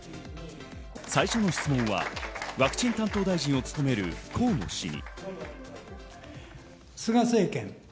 最初の質問はワクチン担当大臣を務める河野氏に。